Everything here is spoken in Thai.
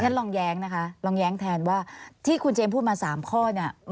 ฉันลองแย้งนะคะลองแย้งแทนว่าที่คุณเจมส์พูดมา๓ข้อเนี่ย